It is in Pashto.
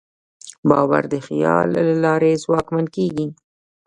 باور د خیال له لارې ځواکمن کېږي.